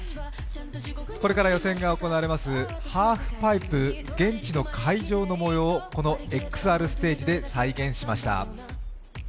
これから予選が行われますハーフパイプ現地の会場の模様をこのＸＲステージで再現しました。